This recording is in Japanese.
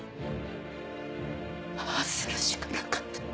ああするしかなかった。